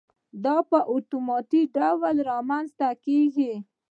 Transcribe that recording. دا په اتومات ډول رامنځته کېږي.